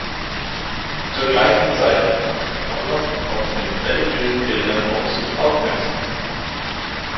Zur gleichen Zeit machte Roloff auch mit religiösen Bildern auf sich aufmerksam.